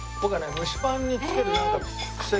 蒸しパンにつける。